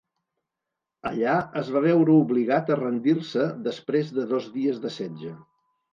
Allà es va veure obligat a rendir-se després de dos dies de setge.